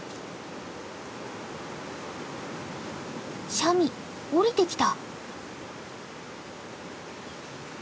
シャミ下りてきた。